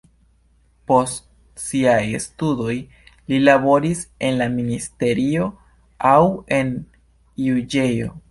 Post siaj studoj li laboris en la ministerio aŭ en juĝejo.